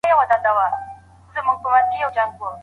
زده کوونکی د خپلي ټولني استازی دی.